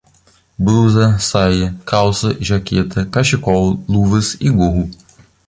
Blusa, saia, calça, jaqueta, cachecol, luvas e gorro